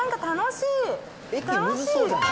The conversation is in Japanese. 楽しい。